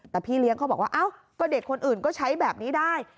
แต่พี่เลี้ยงเขาบอกว่าเอ้าก็เด็กคนอื่นก็ใช้แบบนี้ได้